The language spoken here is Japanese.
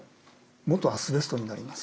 元アスベストになります。